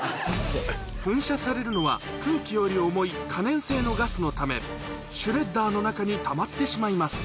噴射されるのは、空気より重い可燃性のガスのため、シュレッダーの中にたまってしまいます。